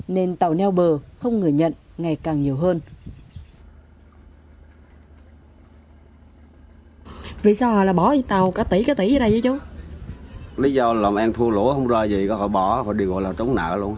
nên tàu neo bờ không người nhận ngày càng nhiều hơn